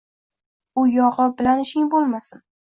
– U yog‘i bilan ishing bo‘lmasin